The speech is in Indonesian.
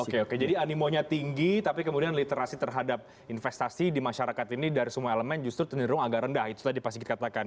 oke oke jadi animonya tinggi tapi kemudian literasi terhadap investasi di masyarakat ini dari semua elemen justru terniru agak rendah itulah yang dipastikan